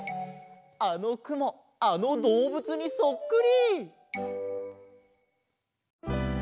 あのくもあのどうぶつにそっくり！